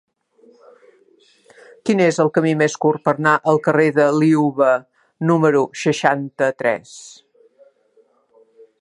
Quin és el camí més curt per anar al carrer de Liuva número seixanta-tres?